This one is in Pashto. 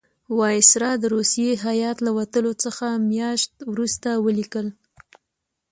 وایسرا د روسی هیات له وتلو څه میاشت وروسته ولیکل.